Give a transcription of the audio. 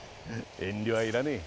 遠慮はいらねえ。